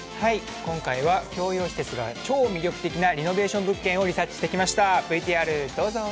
今回は共用施設が超魅力的なリノベーション物件をリサーチしてきました。